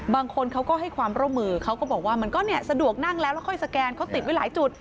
บางคนเขาก็ให้ความร่วมมือเขาก็บอกว่ามันก็เนี่ยสะดวกนั่งแล้วแล้วค่อยสแกนเขาติดไว้หลายจุด